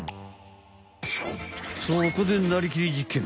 そこでなりきり実験！